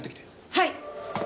はい！